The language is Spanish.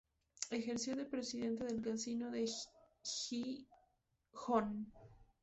Ejerció de presidente del Casino de Gijón.